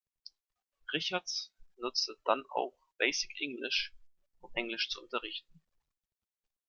Richards nutzte dann auch "Basic English", um Englisch zu unterrichten.